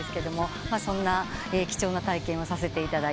そんな貴重な体験をさせていただいて。